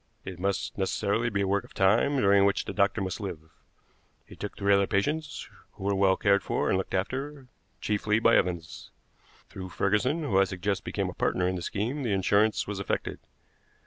It must necessarily be a work of time, during which the doctor must live. He took three other patients, who were well cared for and looked after, chiefly by Evans. Through Ferguson, who I suggest became a partner in the scheme, the insurance was effected.